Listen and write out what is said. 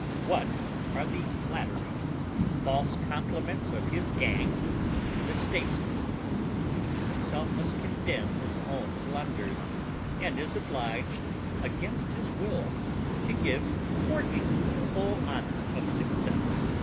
What are the flattery, the false compliments of his gang to the statesman, when he himself must condemn his own blunders, and is obliged against his will to give fortune the whole honour of success?